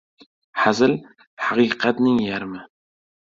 • Hazil ― haqiqatning yarmi.